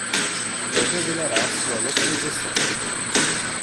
Não revelará sua localização